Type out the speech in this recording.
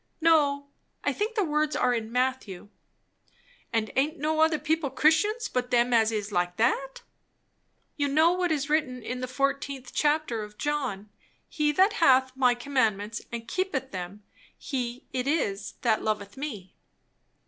"No, I think the words are in Matthew." "And aint no other people Christians, but them as is like that?" "You know what is written in the fourteenth chapter of John 'He that hath my commandments and keepeth them, he it is that loveth me.'"